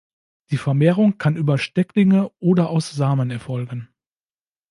Die Vermehrung kann über Stecklinge oder aus Samen erfolgen.